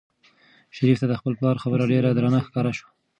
شریف ته د خپل پلار خبره ډېره درنه ښکاره شوه.